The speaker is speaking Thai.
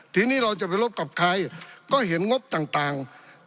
ทีนี้เราจะไปลบกับใครก็เห็นงบต่าง